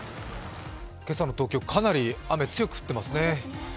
今朝の東京、かなり雨が強く降っていますね。